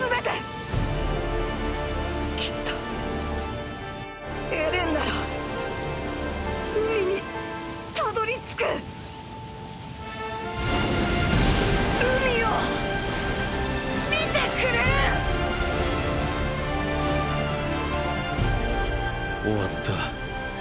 きっとエレンなら海にたどりつく海を見てくれる終わった。